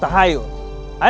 itu namanya tahayu